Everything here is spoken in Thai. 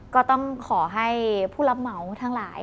ก็ต้องขอให้ผู้รับเหมาทั้งหลาย